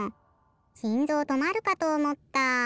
しんぞうとまるかとおもった。